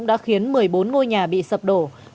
đã khiến một mươi bốn ngôi nhà bị sập đổ